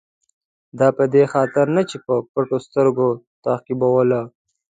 دا په دې خاطر نه چې په پټو سترګو تعقیبوله.